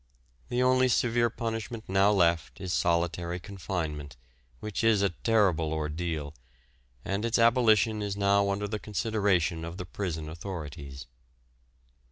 The only severe punishment now left is solitary confinement, which is a terrible ordeal, and its abolition is now under the consideration of the prison authorities.